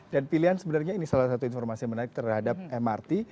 dan pilihan sebenarnya ini salah satu informasi menarik terhadap mrt